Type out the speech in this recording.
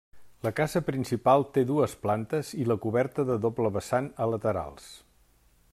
La casa principal té dues plantes i la coberta de doble vessant a laterals.